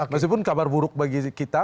meskipun kabar buruk bagi kita